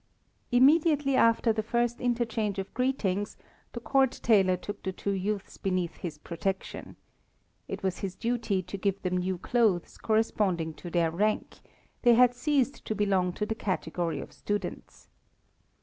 "] Immediately after the first interchange of greetings the court tailor took the two youths beneath his protection. It was his duty to give them new clothes corresponding to their rank, they had ceased to belong to the category of students.